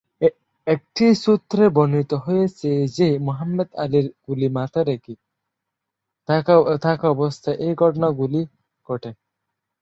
একটি সূত্রে বর্ণিত হয়েছে যে মুহাম্মদ আলীর কোলে মাথা রেখে শুয়ে থাকাবস্থায় এই ঘটনাগুলি ঘটে।